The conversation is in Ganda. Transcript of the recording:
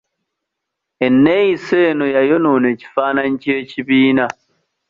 Enneyisa eno yayonoona ekifaananyi ky'ekibiina.